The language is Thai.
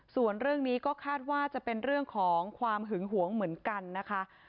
ส่วนเรื่องนี้ก็คาดว่าจะเป็นเรื่องของความหึงหวงเหมือนกันนะคะ